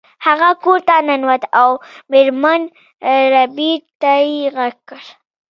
هغه کور ته ننوت او میرمن ربیټ ته یې غږ کړ